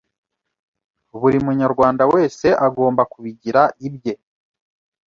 Buri munyarwanda wese agomba kubigira ibye,